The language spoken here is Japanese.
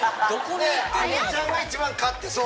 あのちゃんが一番買ってそう！